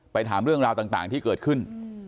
ถามเรื่องราวต่างที่เกิดขึ้น